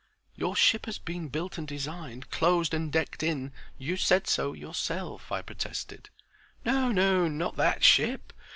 "Your ship has been built and designed, closed and decked in; you said so yourself," I protested. "No, no, not that ship.